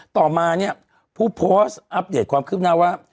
ต่อมาผู้โพสต์อัปเดตความคิดมาว่า